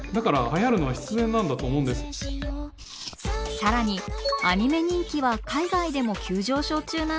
更にアニメ人気は海外でも急上昇中なんです。